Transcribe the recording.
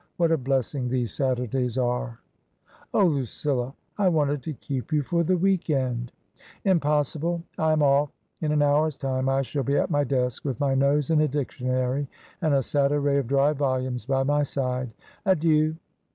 What a blessing these Saturdays are !"^* Oh, Lucilla, I wanted to keep you for the week end." " Impossible. I am off. In an hour's time I shall be at my desk with my nose in a dictionary and a sad array of dry volumes by my side. Adieu